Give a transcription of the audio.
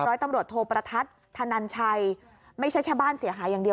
ร้อยตำรวจโทประทัดธนันชัยไม่ใช่แค่บ้านเสียหายอย่างเดียว